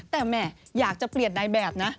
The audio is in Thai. แต่แหม่อยากจะเปลี่ยนในแบบนะ